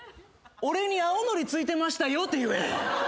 俺に「アオノリついてましたよ」って言え。